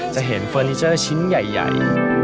จะเห็นเฟอร์นิเจอร์ชิ้นใหญ่